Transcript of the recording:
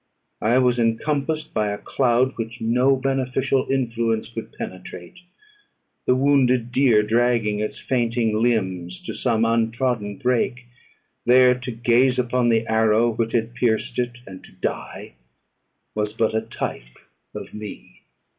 I was encompassed by a cloud which no beneficial influence could penetrate. The wounded deer dragging its fainting limbs to some untrodden brake, there to gaze upon the arrow which had pierced it, and to die was but a type of me.